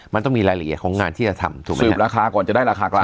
มันต้องมีรายละเอียดของงานที่จะทำถูกไหมสืบราคาก่อนจะได้ราคากลาง